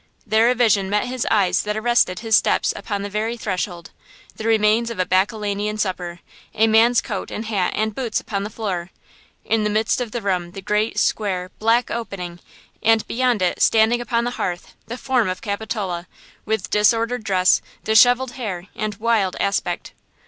There a vision met his eyes that arrested his steps upon the very threshold; the remains of a bacchanalian supper; a man's coat and hat and boots upon the floor; in the midst of the room the great, square, black opening; and beyond it standing upon the hearth, the form of Capitola, with disordered dress, dishevelled hair and wild aspect!